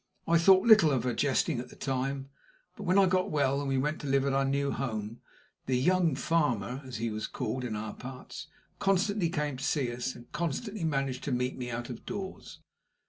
I thought little of her jesting at the time; but when I got well, and we went to live at our new home, "the young farmer," as he was called in our parts, constantly came to see us, and constantly managed to meet me out of doors.